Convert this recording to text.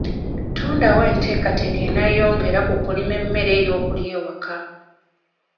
Tondawo enteekateeka enaayongera ku kulima emmere y'okulya ewaka.